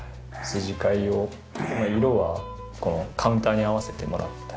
筋交いを色はこのカウンターに合わせてもらって。